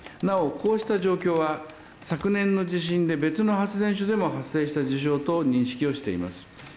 なお、こうした状況は、昨年の地震で別の発電所でも発生した事象と認識をしています。